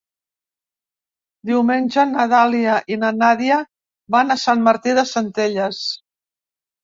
Diumenge na Dàlia i na Nàdia van a Sant Martí de Centelles.